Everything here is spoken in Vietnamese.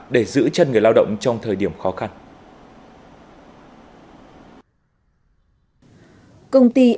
để giữ chân người lợi